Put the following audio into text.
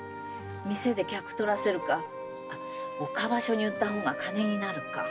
店で客をとらせるか岡場所に売った方が金になるか。